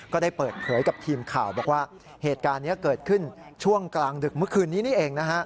ก็ได้เปิดเผยกับทีมข่าวบอกว่าเหตุการณ์นี้เกิดขึ้นช่วงกลางดึกเมื่อคืนนี้นี่เองนะฮะ